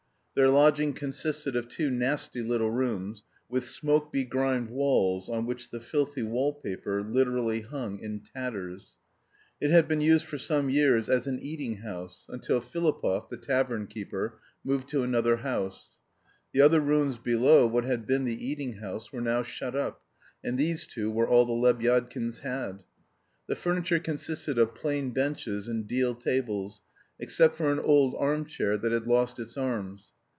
Their lodging consisted of two nasty little rooms, with smoke begrimed walls on which the filthy wall paper literally hung in tatters. It had been used for some years as an eating house, until Filipov, the tavern keeper, moved to another house. The other rooms below what had been the eating house were now shut up, and these two were all the Lebyadkins had. The furniture consisted of plain benches and deal tables, except for an old arm chair that had lost its arms.